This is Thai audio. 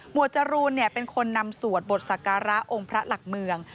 จรูนเป็นคนนำสวดบทศักระองค์พระหลักเมือง